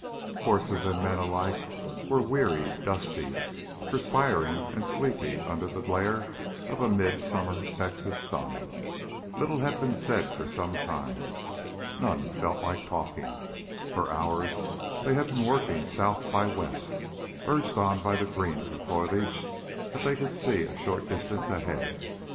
Horses and men alike were wearied, dusty, perspiring and sleepy under the glare of a midsummer Texas sun. Little had been said for some time. None felt like talking. For hours they had been working south by west, urged on by the green of the foliage that they could see a short distance ahead.